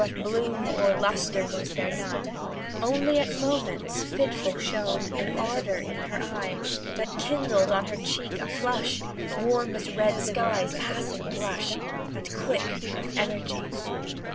But bloom or lustre was there none, Only at moments, fitful shone An ardour in her eye, That kindled on her cheek a flush, Warm as a red sky's passing blush And quick with energy.